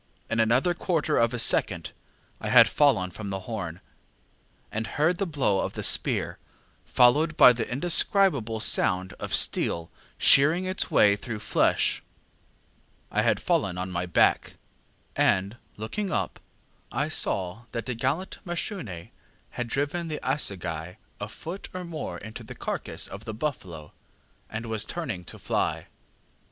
In another quarter of a second I had fallen from the horn, and heard the blow of the spear, followed by the indescribable sound of steel shearing its way through flesh. I had fallen on my back, and, looking up, I saw that the gallant Mashune had driven the assegai a foot or more into the carcass of the buffalo, and was turning to fly.